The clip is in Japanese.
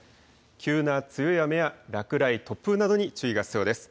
急な強い雨や落雷、突風などに注意が必要です。